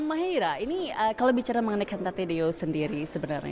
mahera ini kalau bicara mengenai cantate deo sendiri sebenarnya